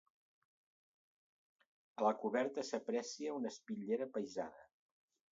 A la coberta s'aprecia una espitllera apaïsada.